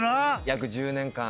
約１０年間。